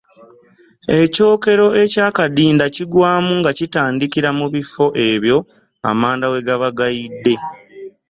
Ekyokero eky’akadinda kigwamu nga kitandikira mu bifo ebyo amanda we gaba gayidde.